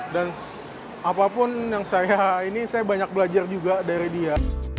dan apapun yang saya ini saya banyak belajar juga dari dia